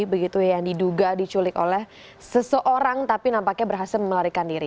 begitu yang diduga diculik oleh seseorang tapi nampaknya berhasil melarikan diri